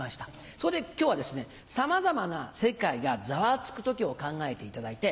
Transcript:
そこで今日はさまざまな世界がざわつく時を考えていただいて。